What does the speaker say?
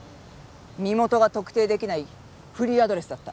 身元が特定できないフリーアドレスだった。